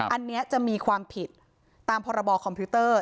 อันนี้จะมีความผิดตามพรบคอมพิวเตอร์